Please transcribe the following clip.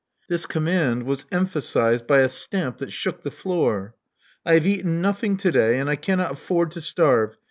This command was empha sized by a stamp that shook the floor. I have eaten nothing to day; and I cannot afford to starve.